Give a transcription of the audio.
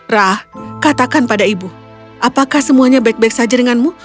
rah katakan pada ibu apakah semuanya baik baik saja denganmu